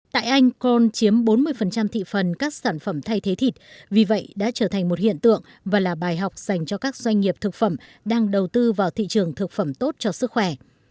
tại anh corn chiếm bốn mươi thị phần các sản phẩm thay thế thịt vì vậy đã trở thành một hiện tượng và là bài học dành cho các doanh nghiệp thực phẩm đang đầu tư vào thị trường thực phẩm tốt cho sức khỏe